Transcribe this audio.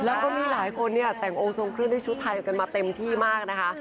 แล้วก็มีหลายคนเนี่ยแต่งองค์ทรงเครื่องด้วยชุดไทยกันมาเต็มที่มากนะคะ